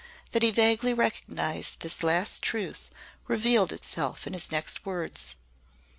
That he vaguely recognised this last truth revealed itself in his next words.